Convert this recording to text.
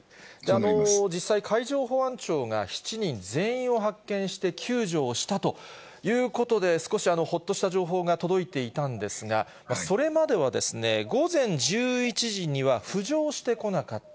実際、海上保安庁が７人全員を発見して救助をしたということで、少しほっとした情報が届いていたんですが、それまでは午前１１時には浮上してこなかった。